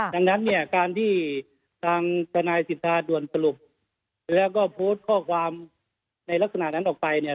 ดังนั้นเนี่ยการที่ทางทนายสิทธาด่วนสรุปแล้วก็โพสต์ข้อความในลักษณะนั้นออกไปเนี่ย